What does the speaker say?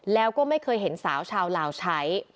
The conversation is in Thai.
แล้วก็ไม่เคยเห็นสาวชาวลาวใช้